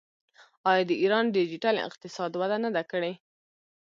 آیا د ایران ډیجیټل اقتصاد وده نه ده کړې؟